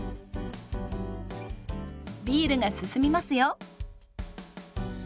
ビールが進みますよ！